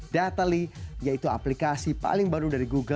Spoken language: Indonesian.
dataly yaitu aplikasi paling baru dari google